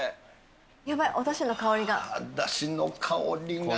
やばい、おだしの香りが。